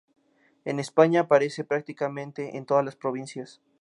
En España aparece prácticamente en todas las provincias.